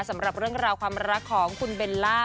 สำหรับเรื่องราวความรักของคุณเบลล่า